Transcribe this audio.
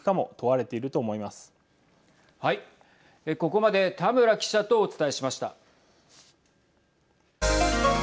ここまで田村記者とお伝えしました。